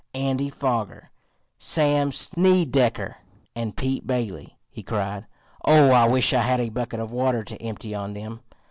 "Andy Foger, Sam Snedecker and Pete Bailey!" he cried. "Oh, I wish I had a bucket of water to empty on them."